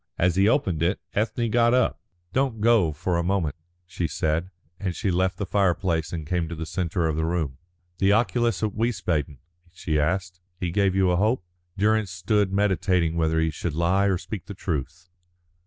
As he opened it, Ethne got up. "Don't go for a moment," she said, and she left the fireplace and came to the centre of the room. "The oculist at Wiesbaden?" she asked. "He gave you a hope?" Durrance stood meditating whether he should lie or speak the truth.